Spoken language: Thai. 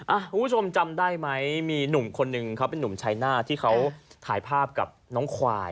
คุณผู้ชมจำได้ไหมมีหนุ่มคนหนึ่งเขาเป็นนุ่มชัยหน้าที่เขาถ่ายภาพกับน้องควาย